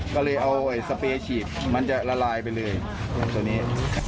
ก็เลยเอาสเปรย์ฉีดมันจะละลายไปเลยอย่างตัวนี้